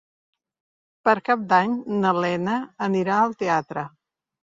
Per Cap d'Any na Lena anirà al teatre.